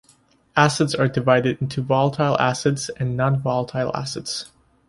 Acids are divided into "volatile acids" and "nonvolatile acids".